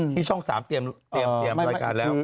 ช่อง๓เตรียมรายการแล้ว